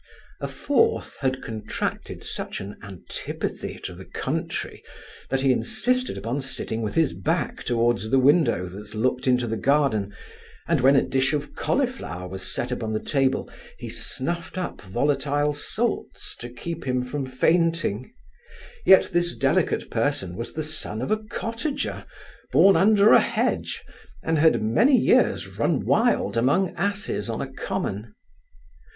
A fourth had contracted such an antipathy to the country, that he insisted upon sitting with his back towards the window that looked into the garden, and when a dish of cauliflower was set upon the table, he snuffed up volatile salts to keep him from fainting; yet this delicate person was the son of a cottager, born under a hedge, and had many years run wild among asses on a common.